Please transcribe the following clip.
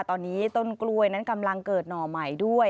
ตอนนี้ต้นกล้วยนั้นกำลังเกิดหน่อใหม่ด้วย